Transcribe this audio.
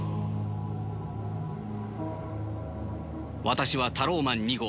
私はタローマン２号。